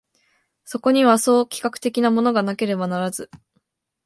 そこには総企画的なものがなければならず、